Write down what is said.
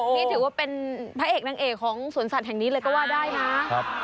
นี่ถือว่าเป็นพระเอกนางเอกของสวนสัตว์แห่งนี้เลยก็ว่าได้นะ